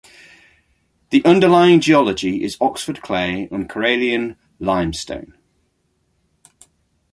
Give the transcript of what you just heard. The underlying geology is Oxford clay and Corallian limestone.